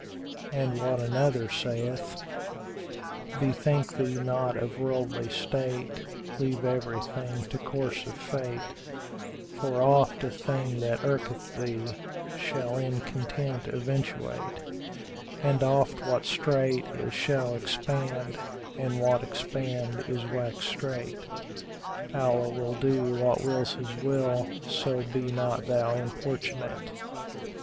And what another saith, "Bethink thee not of worldly state, * Leave everything to course of Fate; For oft a thing that irketh thee * Shall in content eventuate; And oft what strait is shall expand, * And what expanded is wax strait. Allah will do what wills His will * So be not thou importunate!